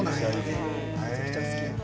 めちゃくちゃ好きで。